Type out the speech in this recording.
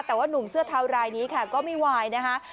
แต่ว่านุ่มเสื้อเทารายนี้ค่ะก็ไม่วายนะคะ